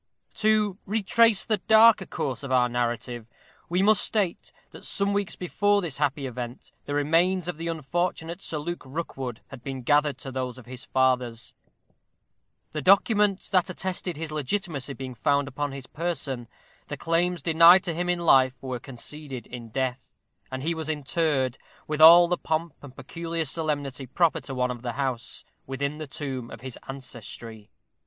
To retrace the darker course of our narrative, we must state that some weeks before this happy event the remains of the unfortunate Sir Luke Rookwood had been gathered to those of his fathers. The document that attested his legitimacy being found upon his person, the claims denied to him in life were conceded in death; and he was interred, with all the pomp and peculiar solemnity proper to one of the house, within the tomb of his ancestry.